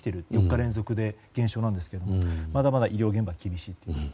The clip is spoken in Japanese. ４日連続で減少なんですが、まだまだ医療現場は厳しいという。